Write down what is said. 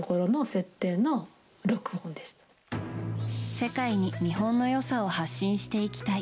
世界に日本の良さを発信していきたい。